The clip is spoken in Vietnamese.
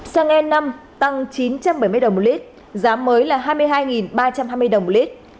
xăng e năm tăng chín trăm bảy mươi đồng một lít giá mới là hai mươi hai ba trăm hai mươi đồng một lít